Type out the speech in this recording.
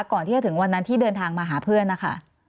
ก่อนที่จะถึงวันนั้นที่เดินทางมาหาเพื่อนนะคะ